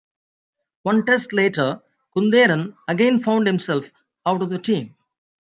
One Test later, Kunderan again found himself out of the team.